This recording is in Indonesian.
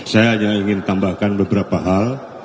saya hanya ingin tambahkan beberapa hal